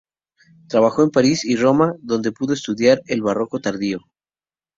Trabajó en París y Roma, donde pudo estudiar el barroco tardío.